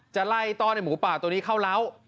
จะไล่ต้อนให้หมูป่าตัวนี้เข้าเล้า